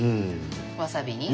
わさびに？